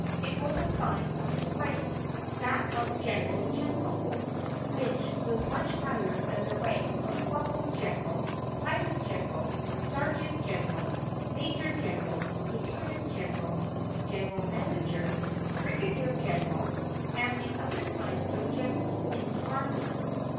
It was a sign of his rank, that of general general — which was much higher than the rank of corporal general, private general, sergeant general, major general, lieu tenant general, general manager, brigadier general, and the other kinds of generals in the army.)